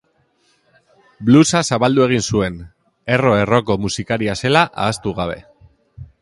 Bluesa zabaldu egin zuen, erro-erroko musikaria zela ahaztu gabe.